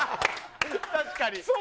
確かに。